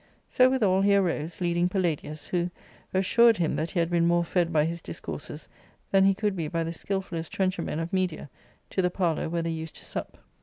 So withal he aVose, leading Palladius, who assured him that he had beett more fed by his discourses than he could be by the skilfuUest trenchermen of Media, to the parlour where they used to sup.